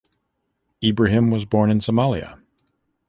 Ibrahim was born in Somalia.